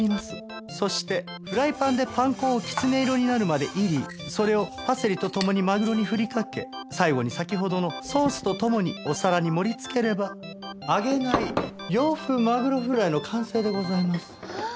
そしてフライパンでパン粉をキツネ色になるまで煎りそれをパセリとともにマグロに振りかけ最後に先ほどのソースとともにお皿に盛りつければ揚げない洋風マグロフライの完成でございます。